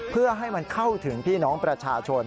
เพื่อให้มันเข้าถึงพี่น้องประชาชน